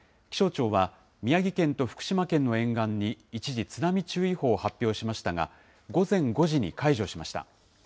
気象庁は、宮城県と福島県の沿岸に一時、津波注意報を発表しましたが、午前５時に解除しました。